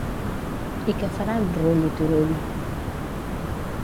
I què faran Rull i Turull?